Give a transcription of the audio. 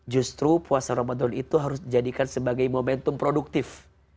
justru puasa ramadan itu harus dijadikan sebagai momentum produktif